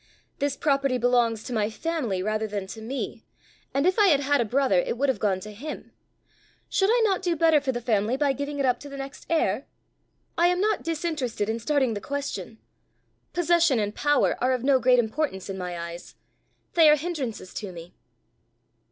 This property belongs to my family rather than to me, and if I had had a brother it would have gone to him: should I not do better for the family by giving it up to the next heir? I am not disinterested in starting the question; possession and power are of no great importance in my eyes; they are hindrances to me."